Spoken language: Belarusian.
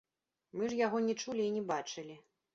Мы ж яго не чулі і не бачылі.